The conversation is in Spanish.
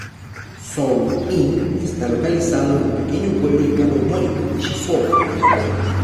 Zoun-in está localizado en un pequeño pueblo llamado Mori, Shizuoka en Japón.